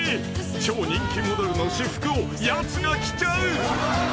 ［超人気モデルの私服をやつが着ちゃう］